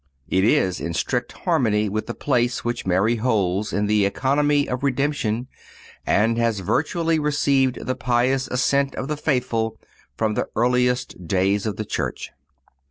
It is in strict harmony with the place which Mary holds in the economy of Redemption, and has virtually received the pious assent of the faithful from the earliest days of the Church.